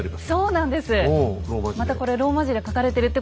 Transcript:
そうなんですよ。